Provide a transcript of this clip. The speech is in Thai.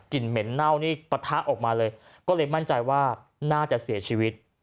เหม็นเน่านี่ปะทะออกมาเลยก็เลยมั่นใจว่าน่าจะเสียชีวิต